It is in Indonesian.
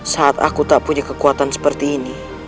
saat aku tak punya kekuatan seperti ini